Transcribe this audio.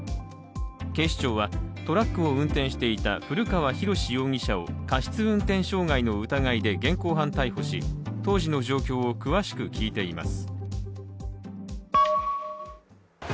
警視庁は、トラックを運転していた古川浩容疑者を過失運転傷害の疑いで現行犯逮捕し当時の状況を詳しく聞いています。